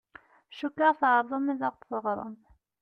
Cukkeɣ tɛerḍem ad ɣ-d-teɣṛem.